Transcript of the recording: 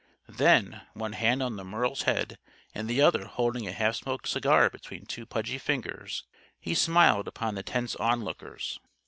Then, one hand on the Merle's head and the other holding a half smoked cigar between two pudgy fingers, he smiled upon the tense onlookers.